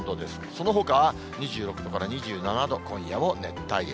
そのほかは２６度から２７度、今夜も熱帯夜。